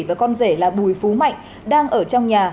và con rể là bùi phú mạnh đang ở trong nhà